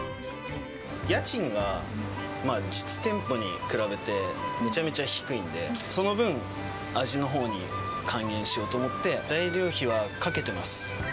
家賃が実店舗に比べて、めちゃめちゃ低いんで、その分、味のほうに還元しようと思って、材料費はかけてます。